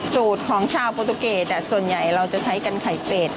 สูตรของชาวโปรตุเกตส่วนใหญ่เราจะใช้กันไข่เป็ด